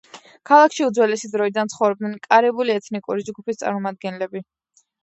ქალაქში უძველესი დროიდან ცხოვრობდნენ კარიბული ეთნიკური ჯგუფის წარმომადგენლები.